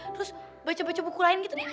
terus baca baca buku lain gitu deh